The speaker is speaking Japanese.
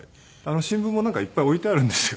新聞もなんかいっぱい置いてあるんですよ。